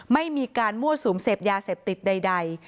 ไม่มีการมวดสูงเศษยาเศษติดใด